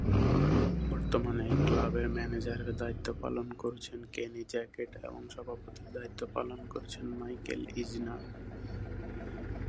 বর্তমানে এই ক্লাবের ম্যানেজারের দায়িত্ব পালন করছেন কেনি জ্যাকেট এবং সভাপতির দায়িত্ব পালন করছেন মাইকেল ইজনার।